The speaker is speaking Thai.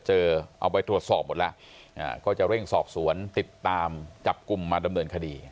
เอาไปตรวจสอบหมดแล้วก็จะเร่งสอบสวนติดตามจับกลุ่มมาดำเนินคดี